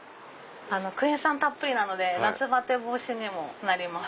クエン酸たっぷりなので夏バテ防止にもなります。